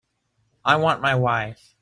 I want my wife.